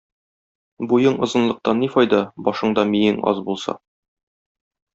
Буең озынлыктан ни файда, башыңда миең аз булса?